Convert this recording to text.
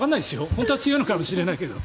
本当は強いかもしれないですが。